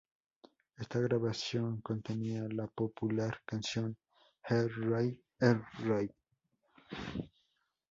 Esta grabación contenía la popular canción "Er-Raï Er-Raï.